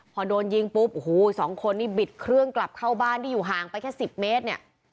พอโดนยิงปุ๊บโอ้โหสองคนนี่บิดเครื่องกลับเข้าบ้านที่อยู่ห่างไปแค่๑๐เมตรเนี่ย